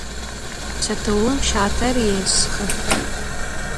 Çetıum şater yêşşxı.